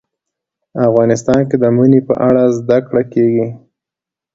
افغانستان کې د منی په اړه زده کړه کېږي.